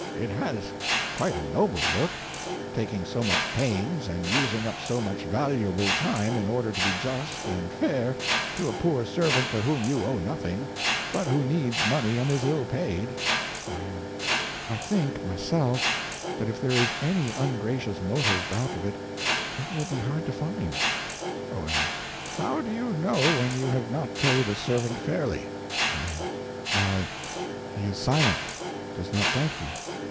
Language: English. It has quite a noble look—taking so much pains and using up so much valuable time in order to be just and fair to a poor servant to whom you owe nothing, but who needs money and is ill paid. Y.M. I think, myself, that if there is any ungracious motive back of it it will be hard to find. O.M. How do you know when you have not paid a servant fairly? Y.M. Why, he is silent; does not thank you.